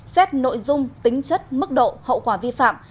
xét nội dung tính chất mức độ hậu quả vi phạm